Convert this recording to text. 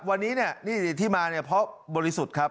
วันนี้นี่ที่มาเพราะบริสุทธิ์ครับ